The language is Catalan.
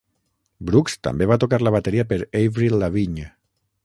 Brooks també va tocar la bateria per Avril Lavigne.